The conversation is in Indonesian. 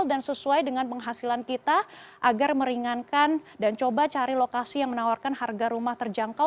sesuai dengan penghasilan kita agar meringankan dan coba cari lokasi yang menawarkan harga rumah terjangkau